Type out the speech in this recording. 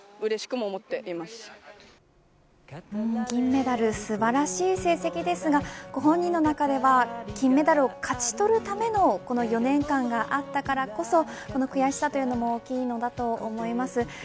銀メダル素晴らしい成績ですがご本人の中では金メダルを勝ち取るためのこの４年間があったからこそこの悔しさというのも大きいのだと思います。